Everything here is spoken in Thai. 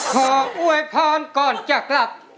ขออวยพรก่อนจะกลับ